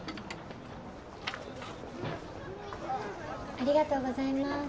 ありがとうございます。